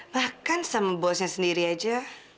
bahkan sama bosnya sendiri aja